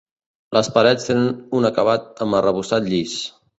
Les parets tenen un acabat amb arrebossat llis.